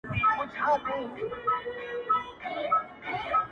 لږه دورې زيارت ته راسه زما واده دی گلي